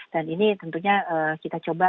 dan ini tentunya kita coba